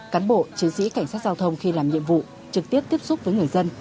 cán bộ chiến sĩ cảnh sát giao thông khi làm nhiệm vụ trực tiếp tiếp xúc với người dân